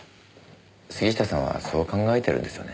杉下さんはそう考えてるんですよね？